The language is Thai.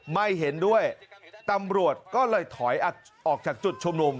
ไม่เห็นด้วยตำรวจก็เลยถอยออกจากจุดชุมนุม